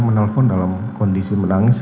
menelpon dalam kondisi menangis